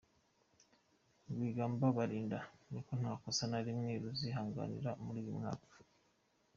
Rwigamba Balinda ni uko nta kosa na rimwe bazihanganira muri uyu mwaka.